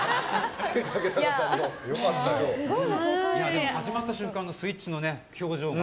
でも始まった瞬間のスイッチの表情が。